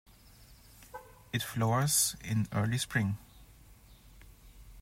It flowers in early spring.